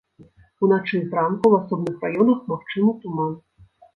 Уначы і зранку ў асобных раёнах магчымы туман.